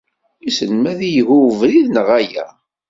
Wissen ma ad ilhu ubrid niγ ala.